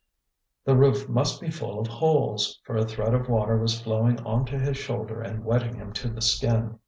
The roof must be full of holes, for a thread of water was flowing on to his shoulder and wetting him to the skin.